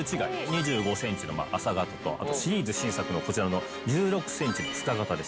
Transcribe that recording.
２５センチの浅型とシリーズ新作のこちらの１６センチ深型です。